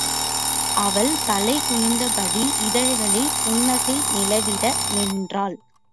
அவள் தலை குனிந்தபடி இதழ்களில் புன்னகை நிலவிட நின்றாள்.